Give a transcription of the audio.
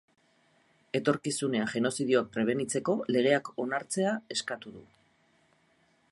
Etorkizunean genozidioak prebenitzeko legeak onartzea eskatu du.